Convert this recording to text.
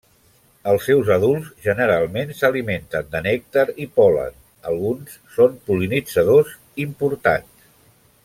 Els seus adults generalment s'alimenten de nèctar i pol·len, alguns són pol·linitzadors importants.